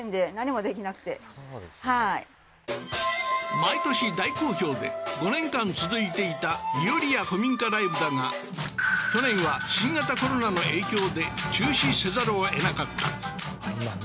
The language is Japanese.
毎年大好評で５年間続いていたいよりや古民家ライブだが去年は新型コロナの影響で中止せざるを得なかった今ね